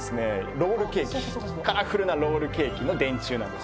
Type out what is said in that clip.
ロールケーキカラフルなロールケーキの電柱なんです・